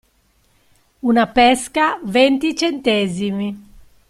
Una pesca venti centesimi.